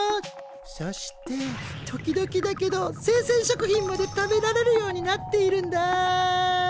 そして時々だけどせいせん食品まで食べられるようになっているんだ。